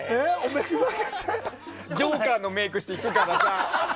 ジョーカーのメイクして行くからさ。